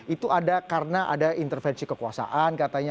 itu ada karena ada intervensi kekuasaan katanya